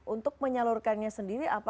untuk menyalurkannya sendiri